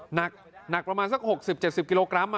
หนักประมาณสัก๖๐๗๐กิโลกรัม